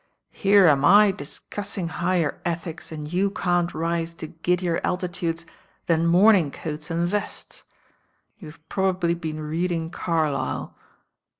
"Here am I discussing higher ethics, and you can't rise to giddier altitudes than moming<oats and vests. You've probably been reading Carlyle."